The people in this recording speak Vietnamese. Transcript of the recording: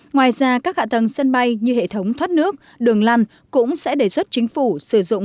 ngoài ra các hạ tầng sân bay như hệ thống thoát nước đường lăn cũng sẽ đề xuất chính phủ sử dụng